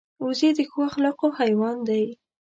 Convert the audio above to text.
وزې د ښو اخلاقو حیوان دی